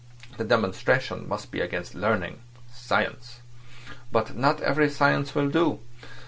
The demonstration must be against learning—science. But not every science will do.